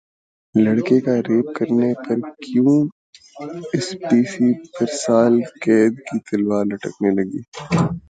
لڑکے کا ریپ کرنے پر کیون اسپیسی پر سال قید کی تلوار لٹکنے لگی